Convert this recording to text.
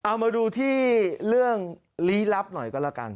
เอามาดูที่เรื่องลี้ลับหน่อยก็แล้วกัน